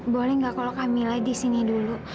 boleh nggak kalau kamila di sini dulu